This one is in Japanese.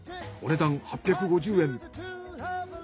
お値段８５０円。